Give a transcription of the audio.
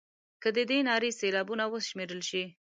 که د دې نارې سېلابونه وشمېرل شي.